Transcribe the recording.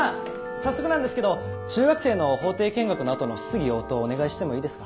早速なんですけど中学生の法廷見学の後の質疑応答をお願いしてもいいですか？